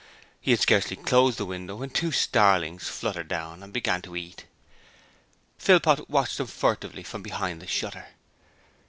He had scarcely closed the window when two starlings fluttered down and began to eat. Philpot watching them furtively from behind the shutter.